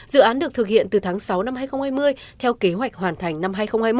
dự án được thực hiện từ tháng sáu năm hai nghìn hai mươi theo kế hoạch hoàn thành năm hai nghìn hai mươi